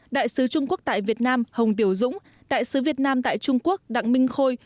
đại sứ trung quốc tại việt nam hồng tiểu dũng đại sứ việt nam tại trung quốc đặng minh khôi